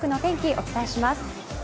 お伝えします。